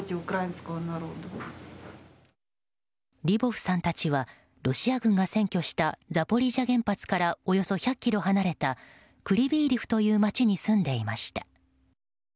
リボフさんたちはロシア軍が占拠したザポリージャ原発からおよそ１００ｋｍ離れたクリヴィー・リフという街に住んでいました。